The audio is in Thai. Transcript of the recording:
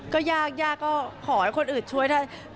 ก็ยากยากก็ขอให้คนอื่นช่วยได้